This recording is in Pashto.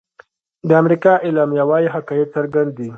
د امریکا اعلامیه وايي حقایق څرګند دي.